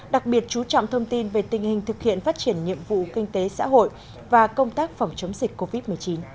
đặc biệt chú trọng thông tin về tình hình thực hiện phát triển nhiệm vụ kinh tế xã hội và công tác phòng chống dịch covid một mươi chín